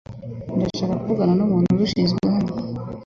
Ndashaka kuvugana numuntu ubishinzwe hano